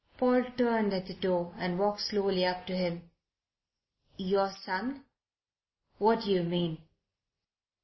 Paul turned at the door and walked slowly up to him. "Your son? What do you mean?"